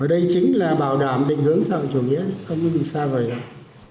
ở đây chính là bảo đảm định hướng xã hội chủ nghĩa không có gì xa vời đâu